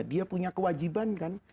dia punya kewajiban kan